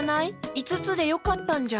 いつつでよかったんじゃ。